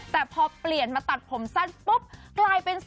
เลือกขวาก็เทศ